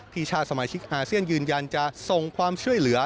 ชาติสมาชิกอาเซียนยืนยันจะส่งความช่วยเหลือ